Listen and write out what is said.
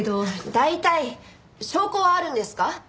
大体証拠はあるんですか？